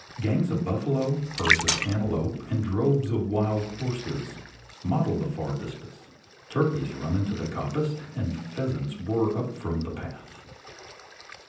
Gangs of buffalo, herds of antelope, and droves of wild horses, mottle the far vistas. Turkeys run into the coppice, and pheasants whirr up from the path.